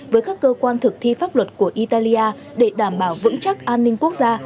với các cơ quan thực thi pháp luật của italia để đảm bảo vững chắc an ninh quốc gia